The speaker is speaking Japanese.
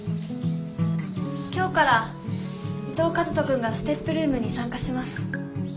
今日から伊藤和斗君がＳＴＥＰルームに参加します。